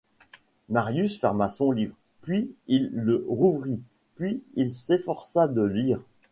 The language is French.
Marius ferma son livre, puis il le rouvrit, puis il s’efforça de lire.